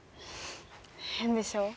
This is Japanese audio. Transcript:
変でしょ？